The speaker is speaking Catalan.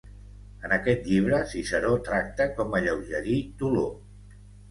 En aquest llibre Ciceró tracta com alleugerir dolor.